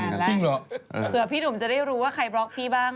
เผื่อพี่ดุ่มจะได้รู้ว่าใครบล็อกพี่บ้าง